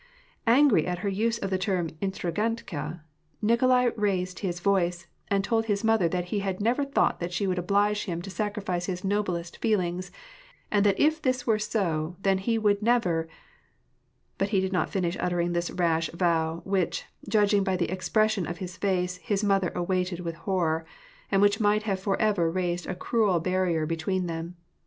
Angry at her use of the term intrigantka, Nikolai raised his voice, and told his mother that he had never thought that she would oblige him to sacrifice his noblest feelings; and that if this were so, then he would never — But he did not finish uttering this rash vow, which, judging by the expression of his face, his mother awaited with horror, and which might have forever raised a cruel barrier between them.